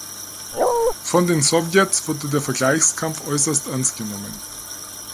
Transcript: Von den Sowjets wurde der Vergleichskampf äußerst ernst genommen.